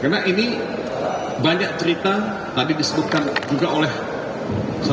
karena ini banyak cerita tadi disebutkan juga oleh pansos